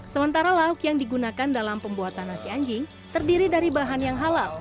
sementara lauk yang digunakan dalam pembuatan nasi anjing terdiri dari bahan yang halal